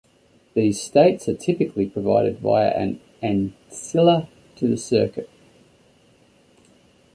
These states are typically provided via an ancilla to the circuit.